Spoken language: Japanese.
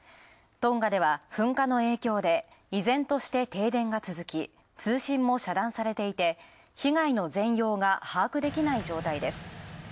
トンガでは噴火の影響で、依然として停電が続き通信も遮断されていて、被害の全容が把握できない常態です。